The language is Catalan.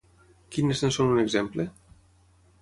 Quines en són un exemple?